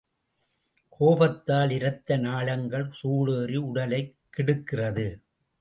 கோபத்தால் இரத்த நாளங்கள் சூடேறி உடலைக் கெடுக்கிறது.